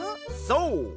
そう！